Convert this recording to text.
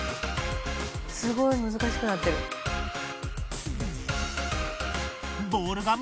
すごい難しくなってる。